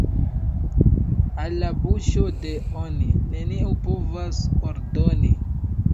Al la buŝo de "oni" neniu povas ordoni.